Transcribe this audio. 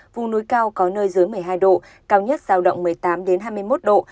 vùng núi cao có nơi dưới một mươi hai độ cao nhất giao động một mươi tám hai mươi một độ